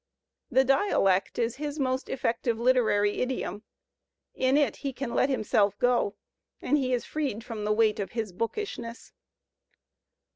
The dialect is his most effective Uterary idiom; in it he can "let himself go," and he is freed from the weight of his bookishness.